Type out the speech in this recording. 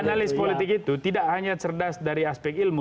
analis politik itu tidak hanya cerdas dari aspek ilmu